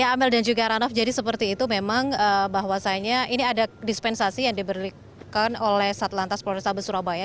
ya amel dan juga arnav jadi seperti itu memang bahwasanya ini ada dispensasi yang diberikan oleh sat lantas polresa besurabaya